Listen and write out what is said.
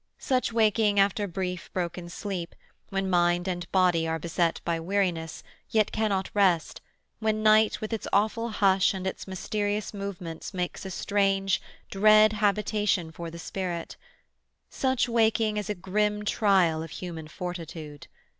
Such waking after brief, broken sleep, when mind and body are beset by weariness, yet cannot rest, when night with its awful hush and its mysterious movements makes a strange, dread habitation for the spirit—such waking is a grim trial of human fortitude.